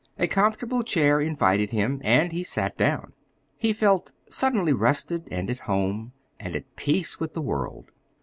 A comfortable chair invited him, and he sat down. He felt suddenly rested and at home, and at peace with the world.